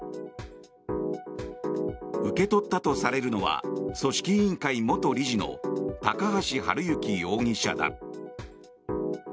受け取ったとされるのは組織委員会元理事の高橋治之容疑者だ。